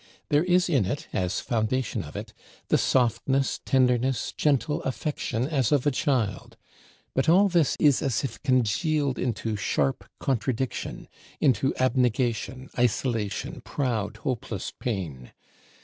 There is in it, as foundation of it, the softness, tenderness, gentle affection as of a child; but all this is as if congealed into sharp contradiction, into abnegation, isolation, proud, hopeless pain.